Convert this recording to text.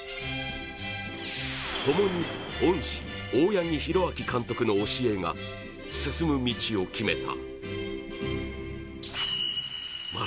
共に恩師・大八木弘明総監督の教えが進む道を決めた。